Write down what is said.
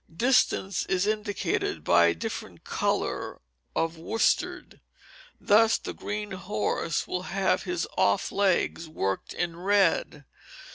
Distance is indicated by a different color of worsted; thus the green horse will have his off legs worked in red.